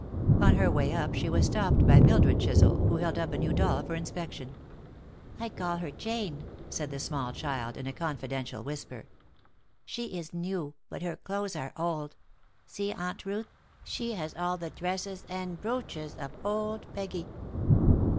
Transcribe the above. On her way up she was stopped by Mildred Chisel, who held up a new doll for inspection. "I call her Jane," said the small child, in a confidential whisper. "She is new, but her clothes are old. See, Aunt Ruth, she has all the dresses and brooches of old Peggy."